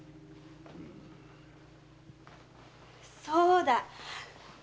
そうだ！